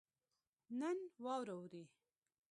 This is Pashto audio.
نن واوره اوري